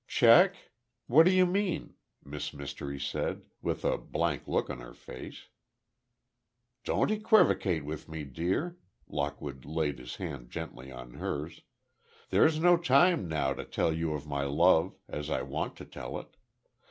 "Check? What do you mean?" Miss Mystery said, with a blank look on her face. "Don't equivocate with me, dear." Lockwood laid his hand gently on hers. "There's no time now to tell you of my love, as I want to tell it.